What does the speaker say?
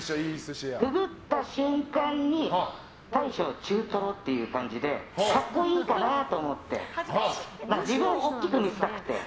くぐった瞬間に大将、中トロっていう感じだと格好いいかなと思って自分を大きく見せたくて。